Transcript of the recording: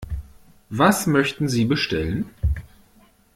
Was möchten Sie bestellen?